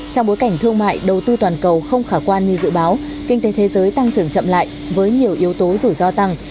trong bối cảnh thương mại đầu tư toàn cầu không khả quan như dự báo kinh tế thế giới tăng trưởng chậm lại với nhiều yếu tố rủi ro tăng